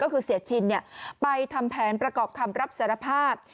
ก็คือเสียชินไปทำแผนประกอบคำรับสารภาพ